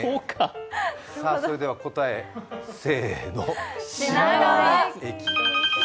それでは答え、せーの、品川駅。